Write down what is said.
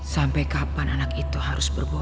sampai kapan anak itu harus berbohongan